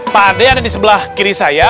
pak andre ada di sebelah kiri saya